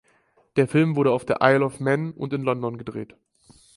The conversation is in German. Der Film wurde auf der Isle of Man und in London gedreht.